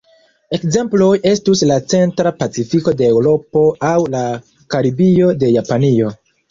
Ekzemploj estus la Centra Pacifiko de Eŭropo aŭ la Karibio de Japanio.